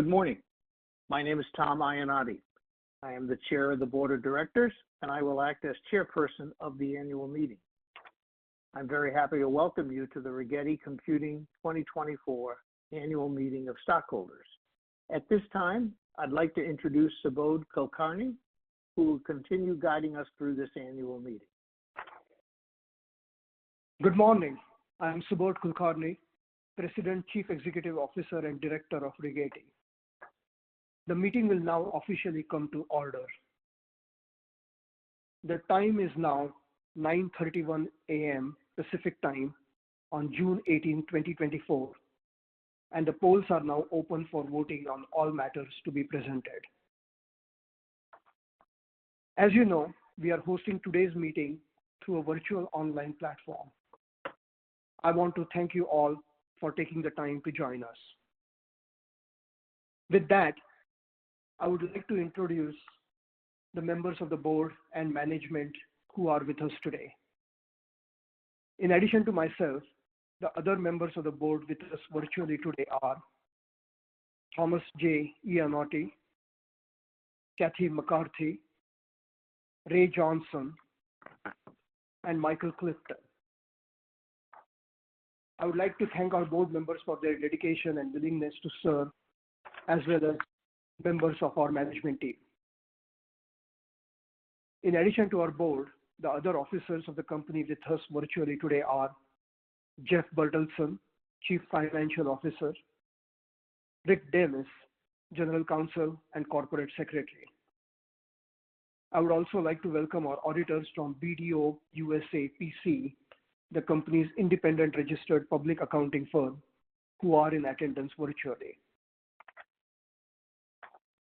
Good morning. My name is Tom Iannotti. I am the chair of the board of directors, and I will act as chairperson of the annual meeting. I'm very happy to welcome you to the Rigetti Computing 2024 Annual Meeting of Stockholders. At this time, I'd like to introduce Subodh Kulkarni, who will continue guiding us through this annual meeting. Good morning. I am Subodh Kulkarni, President, Chief Executive Officer, and Director of Rigetti. The meeting will now officially come to order. The time is now 9:31 A.M. Pacific Time on June 18, 2024, and the polls are now open for voting on all matters to be presented. As you know, we are hosting today's meeting through a virtual online platform. I want to thank you all for taking the time to join us. With that, I would like to introduce the members of the board and management who are with us today. In addition to myself, the other members of the board with us virtually today are Thomas J. Iannotti, Cathy McCarthy, Ray Johnson, and Michael Clifton. I would like to thank our board members for their dedication and willingness to serve, as well as members of our management team. In addition to our board, the other officers of the company with us virtually today are Jeff Bertelsen, Chief Financial Officer, Rick Danis, General Counsel and Corporate Secretary. I would also like to welcome our auditors from BDO USA, P.C., the company's independent registered public accounting firm, who are in attendance virtually.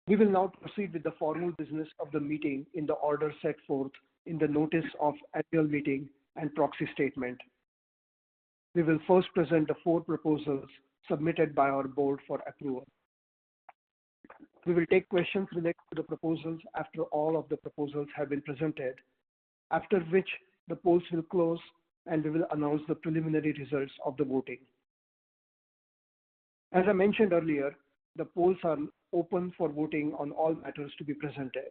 We will now proceed with the formal business of the meeting in the order set forth in the notice of annual meeting and proxy statement. We will first present the four proposals submitted by our board for approval. We will take questions related to the proposals after all of the proposals have been presented, after which the polls will close, and we will announce the preliminary results of the voting. As I mentioned earlier, the polls are open for voting on all matters to be presented.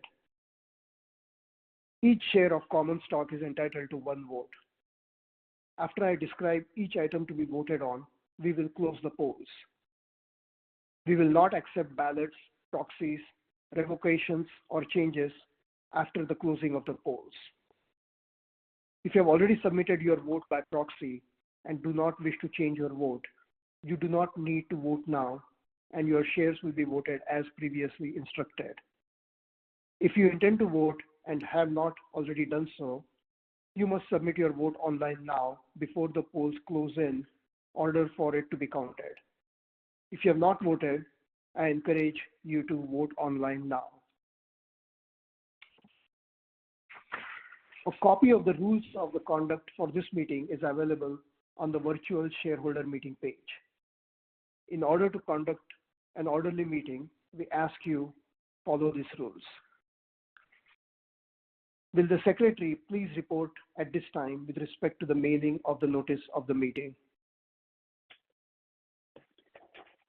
Each share of common Stock is entitled to one vote. After I describe each item to be voted on, we will close the polls. We will not accept ballots, proxies, revocations, or changes after the closing of the polls. If you have already submitted your vote by proxy and do not wish to change your vote, you do not need to vote now, and your shares will be voted as previously instructed. If you intend to vote and have not already done so, you must submit your vote online now before the polls close in order for it to be counted. If you have not voted, I encourage you to vote online now. A copy of the rules of the conduct for this meeting is available on the virtual shareholder meeting page. In order to conduct an orderly meeting, we ask you follow these rules. Will the secretary please report at this time with respect to the mailing of the notice of the meeting?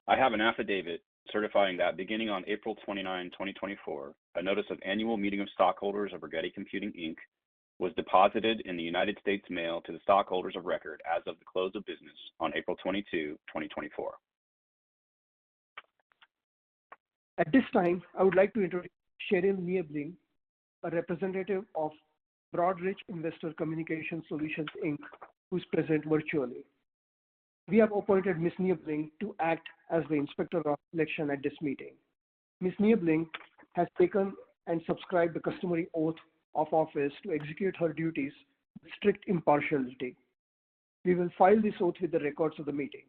I have an affidavit certifying that beginning on April 29, 2024, a notice of annual meeting of stockholders of Rigetti Computing, Inc. was deposited in the United States Mail to the stockholders of record as of the close of business on April 22, 2024. At this time, I would like to introduce Cheryl Niebling, a representative of Broadridge Investor Communication Solutions, Inc., who's present virtually. We have appointed Ms. Niebling to act as the Inspector of Election at this meeting. Ms. Niebling has taken and subscribed the customary oath of office to execute her duties with strict impartiality. We will file this oath with the records of the meeting.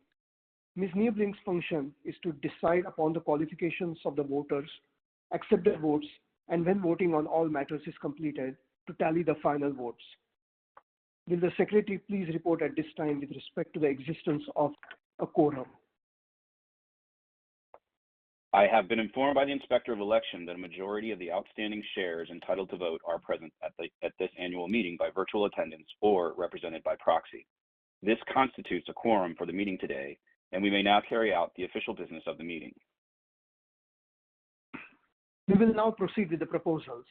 Ms. Niebling's function is to decide upon the qualifications of the voters, accept their votes, and when voting on all matters is completed, to tally the final votes. Will the secretary please report at this time with respect to the existence of a quorum? I have been informed by the Inspector of Election that a majority of the outstanding shares entitled to vote are present at this annual meeting by virtual attendance or represented by proxy. This constitutes a quorum for the meeting today, and we may now carry out the official business of the meeting. We will now proceed with the proposals.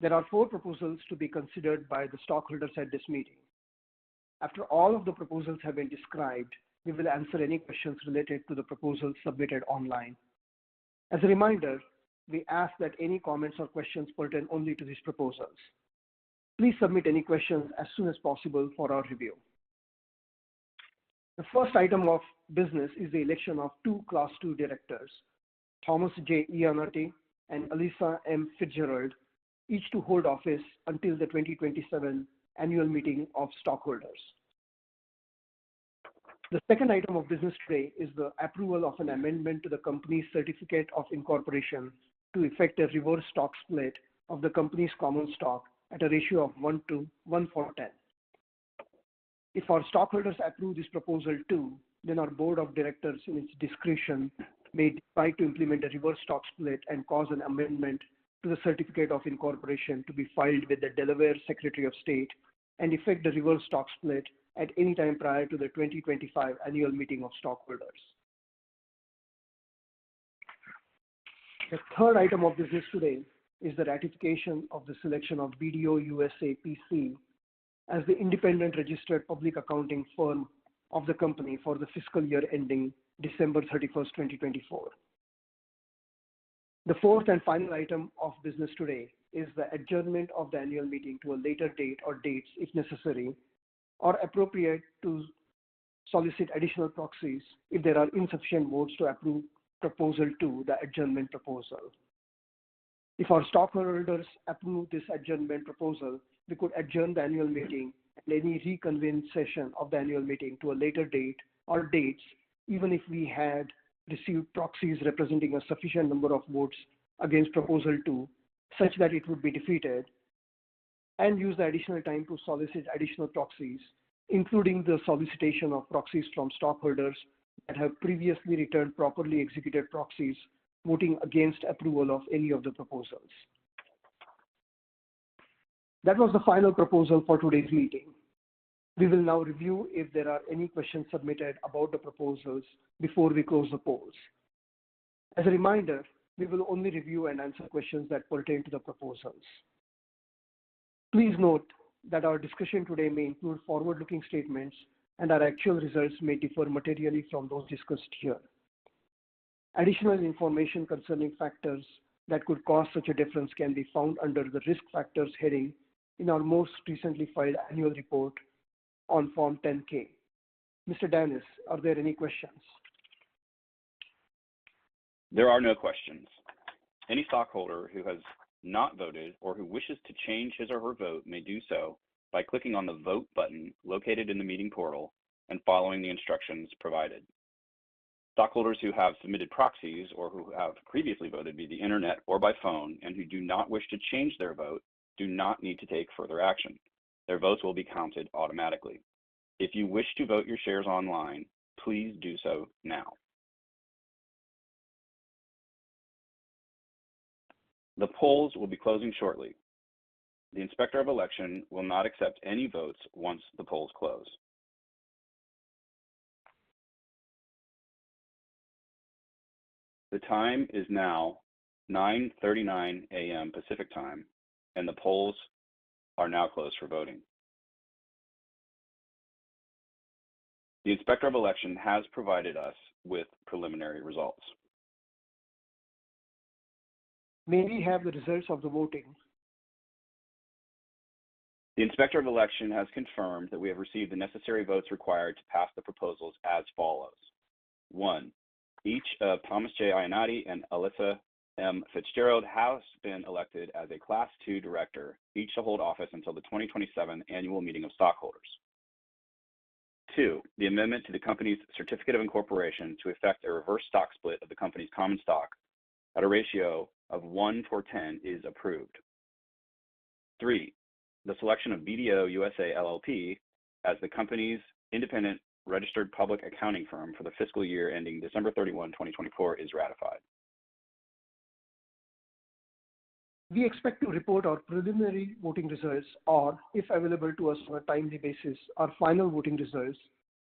There are four proposals to be considered by the stockholders at this meeting. After all of the proposals have been described, we will answer any questions related to the proposals submitted online. As a reminder, we ask that any comments or questions pertain only to these proposals. Please submit any questions as soon as possible for our review. The first item of business is the election of two Class II directors, Thomas J. Iannotti and Alissa M. Fitzgerald, each to hold office until the 2027 annual meeting of stockholders. The second item of business today is the approval of an amendment to the company's certificate of incorporation to effect a reverse stock split of the company's common stock at a ratio of 1 for 10. If our stockholders approve this Proposal Two, then our board of directors, in its discretion, may decide to implement a reverse stock split and cause an amendment to the certificate of incorporation to be filed with the Delaware Secretary of State and effect the reverse stock split at any time prior to the 2025 annual meeting of stockholders. The third item of business today is the ratification of the selection of BDO USA, P.C. as the independent registered public accounting firm of the company for the fiscal year ending December 31, 2024. The fourth and final item of business today is the adjournment of the annual meeting to a later date or dates, if necessary, or appropriate to solicit additional proxies if there are insufficient votes to approve Proposal Two, the adjournment proposal. If our stockholders approve this adjournment proposal, we could adjourn the annual meeting at any reconvened session of the annual meeting to a later date or dates, even if we had received proxies representing a sufficient number of votes against Proposal Two, such that it would be defeated, and use the additional time to solicit additional proxies, including the solicitation of proxies from stockholders that have previously returned properly executed proxies voting against approval of any of the proposals. That was the final proposal for today's meeting. We will now review if there are any questions submitted about the proposals before we close the polls. As a reminder, we will only review and answer questions that pertain to the proposals. Please note that our discussion today may include forward-looking statements, and our actual results may differ materially from those discussed here. Additional information concerning factors that could cause such a difference can be found under the Risk Factors heading in our most recently filed annual report on Form 10-K. Mr. Danis, are there any questions? There are no questions. Any stockholder who has not voted or who wishes to change his or her vote may do so by clicking on the Vote button located in the meeting portal and following the instructions provided. Stockholders who have submitted proxies or who have previously voted via the Internet or by phone and who do not wish to change their vote, do not need to take further action. Their votes will be counted automatically. If you wish to vote your shares online, please do so now. The polls will be closing shortly. The Inspector of Election will not accept any votes once the polls close. The time is now 9:39 A.M. Pacific Time, and the polls are now closed for voting. The Inspector of Election has provided us with preliminary results. May we have the results of the voting? The Inspector of Election has confirmed that we have received the necessary votes required to pass the proposals as follows: One, each of Thomas J. Iannotti and Alissa M. Fitzgerald have been elected as a Class II director, each to hold office until the 2027 annual meeting of stockholders. Two, the amendment to the company's certificate of incorporation to effect a reverse stock split of the company's common stock at a ratio of 1 for 10 is approved. Three, the selection of BDO USA, P.C. as the company's independent registered public accounting firm for the fiscal year ending December 31, 2024, is ratified. We expect to report our preliminary voting results, or if available to us on a timely basis, our final voting results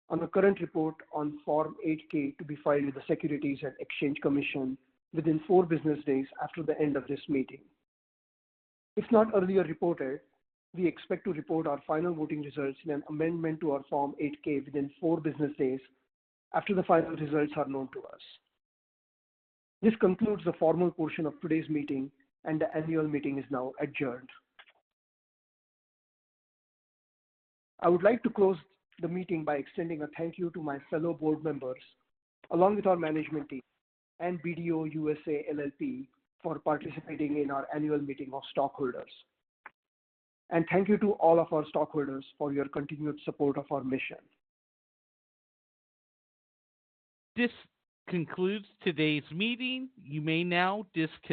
on the Current Report on Form 8-K to be filed with the Securities and Exchange Commission within four business days after the end of this meeting. If not earlier reported, we expect to report our final voting results in an amendment to our Form 8-K within four business days after the final results are known to us. This concludes the formal portion of today's meeting, and the Annual Meeting of Stockholders is now adjourned. I would like to close the meeting by extending a thank you to my fellow board members, along with our management team and BDO USA, P.C., for participating in our Annual Meeting of Stockholders. Thank you to all of our stockholders for your continued support of our mission. This concludes today's meeting. You may now disconnect.